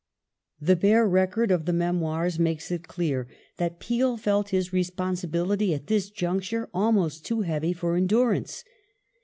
The bare record of the Memoirs makes it clear that Peel felt his responsibility at this j uncture almost too heavy for endurance.